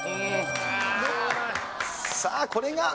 さあこれが。